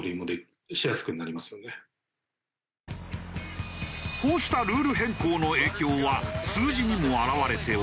こうしたルール変更の影響は数字にも表れており。